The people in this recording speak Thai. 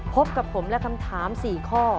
พบกับผมและคำถาม๔ข้อ